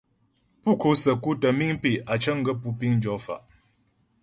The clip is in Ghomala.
Pú ko'o səku tə́ miŋ pé' á cəŋ gaə́ pú piŋ jɔ fa'.